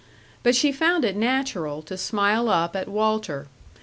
But she found it natural to smile up at Walter....